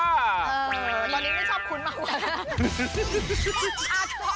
เออตอนนี้ไม่ชอบคุณมากกว่า